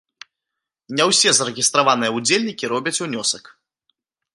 Не ўсе зарэгістраваныя ўдзельнікі робяць унёсак.